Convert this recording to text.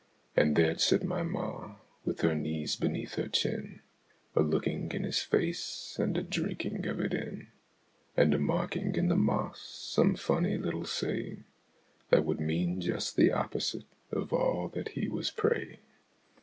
And there'd sit my Ma, with her knees beneath her chin, A looking in his face and a drinking of it in, And a marking in the moss some funny little saying That would mean just the opposite of all that he was praying!